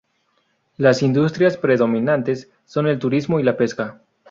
Las industrias predominantes son el turismo y la pesca.